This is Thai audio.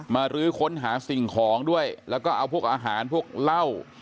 รื้อค้นหาสิ่งของด้วยแล้วก็เอาพวกอาหารพวกเหล้า